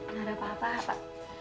nggak ada apa apa